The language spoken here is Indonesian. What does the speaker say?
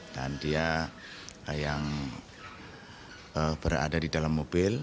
dan dia yang berada di dalam mobil